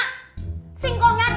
langsung gurauin gak ditetes